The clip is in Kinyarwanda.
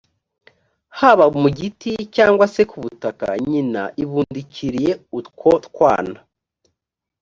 haba mu giti cyangwa se ku butaka, nyina ibundikiriye utwo twana